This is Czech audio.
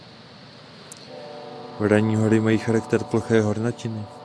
Vraní hory mají charakter ploché hornatiny.